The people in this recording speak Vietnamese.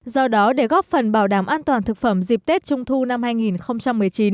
do đó để góp phần bảo đảm an toàn thực phẩm dịp tết trung thu năm hai nghìn một mươi chín